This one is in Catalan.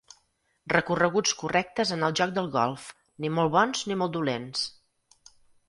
Recorreguts correctes en el joc del golf, ni molt bons ni molt dolents.